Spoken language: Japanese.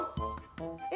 え？